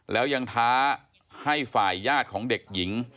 แล้วยังท้าให้ฝ่ายญาติของเด็กหญิง